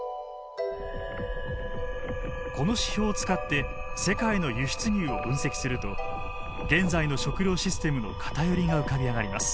この指標を使って世界の輸出入を分析すると現在の食料システムの偏りが浮かび上がります。